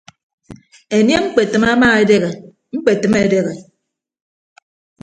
Enie ñkpetịm ama edehe ñkpetịm edehe.